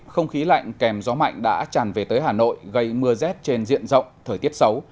không khí lạnh kèm gió mạnh đã tràn về tới hà nội gây mưa rét trên diện rộng thời tiết xấu